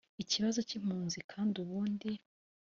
ikibazo k’impunzi kandi ubundi